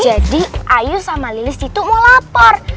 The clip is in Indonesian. jadi ayun sama lilih situ mau lapor